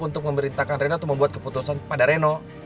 untuk memerintahkan rena atau membuat keputusan pada reno